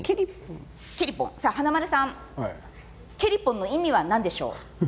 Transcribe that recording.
華丸さん、ケリポンの意味は何でしょうか？